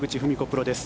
プロです。